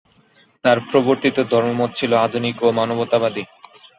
তার প্রবর্তিত ধর্মমত ছিল আধুনিক ও মানবতাবদী।